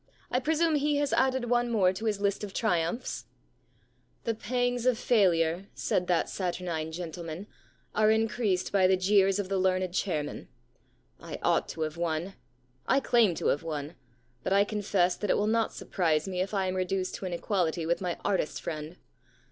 I presume he has added one more to his list of triumphs.' ss The Problem Club * The pangs of failure/ said that saturnine gentleman, * are increased by the jeers of the learned chairman. I ought to have won. I claim to have won. But I confess that it will not surprise me if I am reduced to an equality with my artist friend.